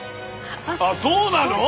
あっそうなの？